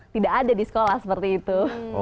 tidak ada di sekolah seperti itu